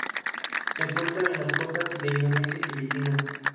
Se encuentran en las costas de Indonesia y Filipinas.